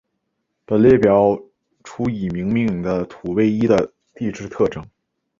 本表列出已命名的土卫一的地质特征。